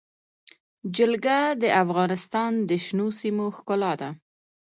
جلګه د افغانستان د شنو سیمو ښکلا ده.